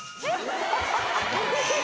えっ？